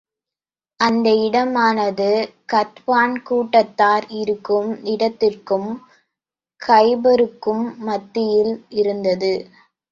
அந்த இடமானது, கத்பான் கூட்டத்தார் இருக்கும் இடத்துக்கும், கைபருக்கும் மத்தியில் இருந்தது.